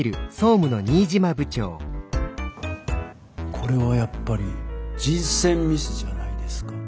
これはやっぱり人選ミスじゃないですか？